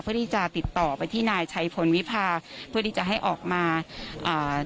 เพื่อที่จะติดต่อไปที่นายชัยพลวิพาเพื่อที่จะให้ออกมาอ่า